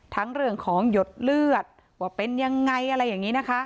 เรื่องของหยดเลือดว่าเป็นยังไงอะไรอย่างนี้นะคะ